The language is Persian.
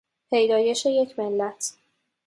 پیدایش یک ملت